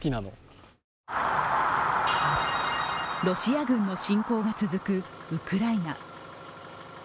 ロシア軍の侵攻が続くウクライナ。